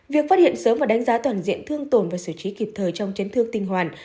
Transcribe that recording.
việc phát hiện sớm và đánh giá toàn diện thương tồn và xử trí kịp thời trong chấn thương tinh hoàn